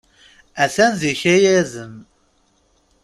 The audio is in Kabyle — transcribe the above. A-t-an d ikayaden.